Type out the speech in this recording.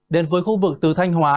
đến với khu vực từ thanh hóa